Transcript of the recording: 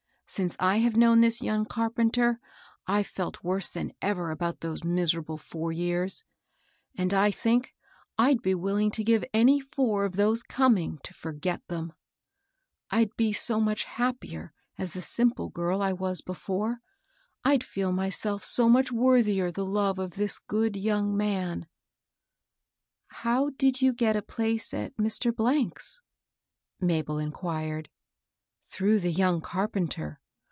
Since I have known this young carpenter I've felt worse than ever about those miserable four years ; and I think I'd be willing to give any four of those coming to forget them, I'd be so much happier as the sim ple girl I was before ; I'd feel myself so much worthier the love of this good young man.'* "How did you get a place at Mr. ^'s? Mabel inquired. " Through the young carpenter.